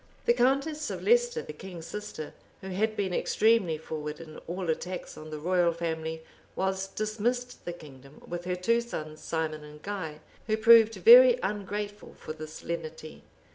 The countess of Leicester, the king's sister, who had been extremely forward in all attacks on the royal family, was dismissed the kingdom with her two sons, Simon and Guy, who proved very ungrateful for this lenity.